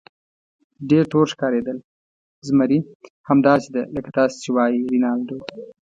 ډېر تور ښکارېدل، زمري: همداسې ده لکه تاسې چې وایئ رینالډو.